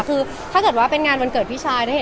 คือถ้าเกิดว่าเป็นงานวันเกิดพี่ชาย